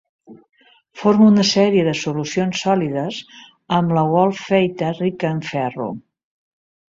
Forma una sèrie de solucions sòlides amb la wolfeite rica en ferro.